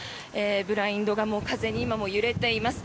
ブラインドが風に今も揺れています。